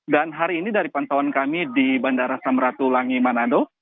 dan hari ini dari pantauan kami di bandara samratulangi menado